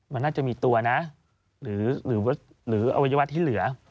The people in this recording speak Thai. มันน่าจะมีตัวนะหรืออวัยวะที่เหลือ